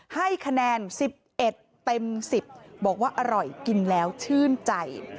ให้คะแนน๑๑เต็ม๑๐บอกว่าอร่อยกินแล้วชื่นใจ